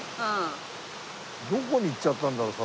どこに行っちゃったんだろう？